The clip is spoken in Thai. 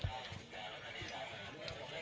ไม่เป็นไรไม่เป็นไรไม่เป็นไร